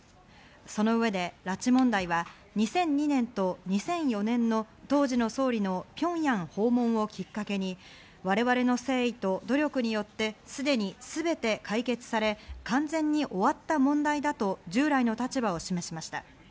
その上で拉致問題は２００２年と２００４年の当時の総理のピョンヤン訪問をきっかけに、我々の誠意と努力によって、すでに全て解決され、完全に終わった問題だと従来の立場を示しました。